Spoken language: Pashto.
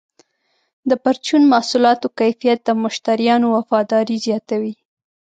د پرچون محصولاتو کیفیت د مشتریانو وفاداري زیاتوي.